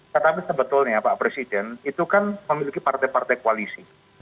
tetapi sebetulnya pak presiden itu kan memiliki partai partai koalisi